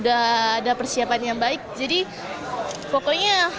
ada masalah muncul pen componenya